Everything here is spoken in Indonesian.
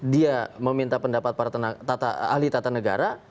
dia meminta pendapat ahli tata negara